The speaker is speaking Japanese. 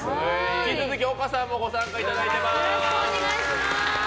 引き続き丘さんもご参加いただいてます。